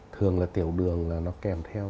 thường là tiểu đường là nó kèm theo